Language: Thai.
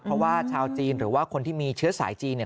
เพราะว่าชาวจีนหรือว่าคนที่มีเชื้อสายจีนเนี่ย